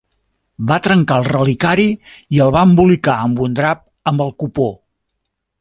Va trencar el reliquiari i el va embolicar amb un drap amb el copó.